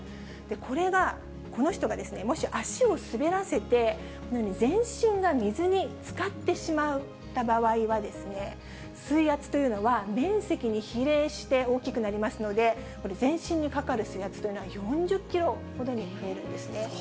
これが、この人がもし足を滑らせて、このように全身が水につかってしまった場合は、水圧というのは面積に比例して大きくなりますので、これ、全身にかかる水圧というのは、４０キロほどに増えるんですね。